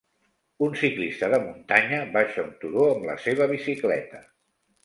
Un ciclista de muntanya baixa un turó amb la seva bicicleta.